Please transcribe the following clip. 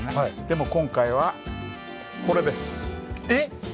でも今回はこれです。え？